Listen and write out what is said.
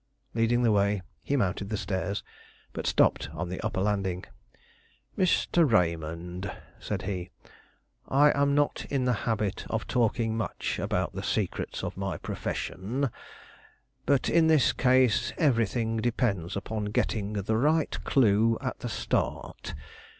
Leading the way, he mounted the stairs, but stopped on the upper landing. "Mr. Raymond," said he, "I am not in the habit of talking much about the secrets of my profession, but in this case everything depends upon getting the right clue at the start.